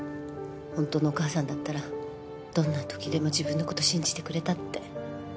本当のお母さんだったらどんな時でも自分のこと信じてくれたって。